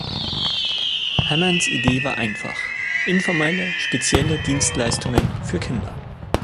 Hammonds Idee war einfach: informelle, spezielle Dienstleistungen für Kinder.